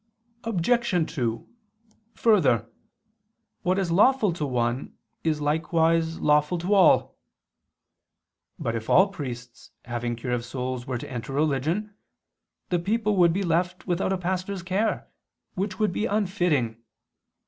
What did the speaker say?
Obj. 2: Further, what is lawful to one is likewise lawful to all. But if all priests having cure of souls were to enter religion, the people would be left without a pastor's care, which would be unfitting.